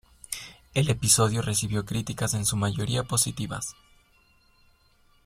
El episodio recibió críticas en su mayoría positivas.